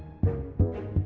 itu tuh aku ngombokin ke